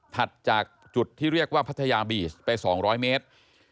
จากจุดที่เรียกว่าพัทยาบีชไป๒๐๐เมตร